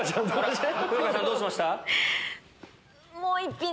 風花さんどうしました？